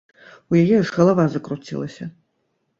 У яе аж галава закруцілася.